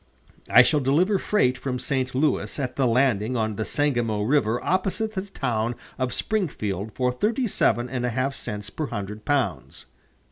I shall deliver freight from St. Louis at the landing on the Sangamo River opposite the town of Springfield for thirty seven and a half cents per hundred pounds."